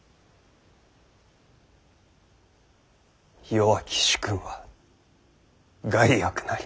弱き主君は害悪なり。